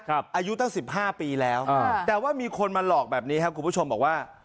อายุตั้ง๑๕ปีแล้วแต่ว่ามีคนมาหลอกแบบนี้ครับคุณผู้ชมบอกว่า